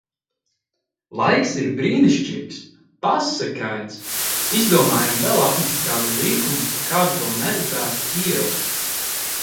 Laiks ir brīnišķīgs! Pasakains! Izdomājam vēl apmest kādu līkumu pa kādu vēl neredzētu ielu.